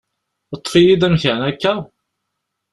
Ṭṭef-iyi-d amkan, akka?